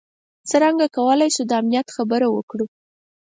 څرنګه کولای شو د امنیت خبره وکړو.